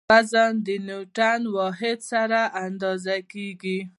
وزن د نیوټڼ د واحد سره اندازه کیږي.